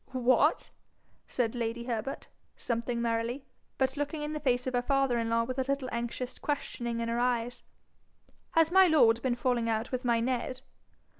'What!' said lady Herbert, something merrily, but looking in the face of her father in law with a little anxious questioning in her eyes, 'has my lord been falling out with my Ned?'